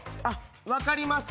分かりました